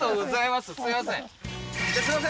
すいません